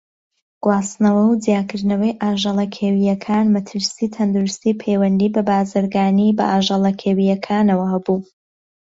گواستنەوە و جیاکردنەوەی ئاژەڵە کێویەکان - مەترسی تەندروستی پەیوەندی بە بازرگانی بە ئاژەڵە کێویەکانەوە هەبوو.